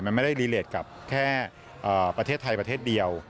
มันไม่ได้รีเลสกับแค่ประเทศไทยประเทศเดียว